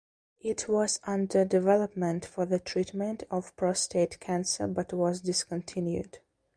It was under development for the treatment of prostate cancer but was discontinued.